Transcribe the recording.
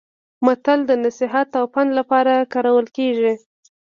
متل د نصيحت او پند لپاره کارول کیږي